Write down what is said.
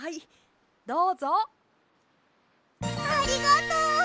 ありがとう！